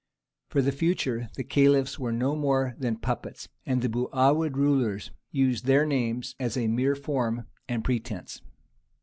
For the future the Caliphs were no more than puppets, and the Buhawid rulers used their names as a mere form and pretence.